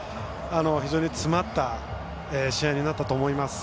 非常に詰まった試合になったと思います。